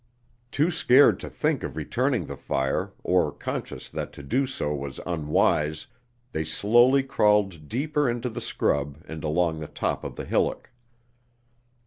Too scared to think of returning the fire, or conscious that to do so was unwise, they slowly crawled deeper into the scrub and along the top of the hillock.